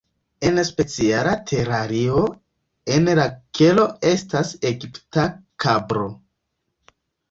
En speciala terario en la kelo estas egipta kobro.